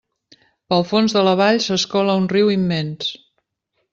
Pel fons de la vall s'escola un riu immens.